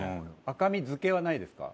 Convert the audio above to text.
赤身漬けはないですか？